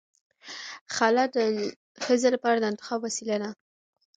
خلع د ښځې لپاره د انتخاب وسیله ده.